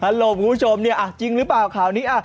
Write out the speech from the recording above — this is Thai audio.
ลมคุณผู้ชมเนี่ยจริงหรือเปล่าข่าวนี้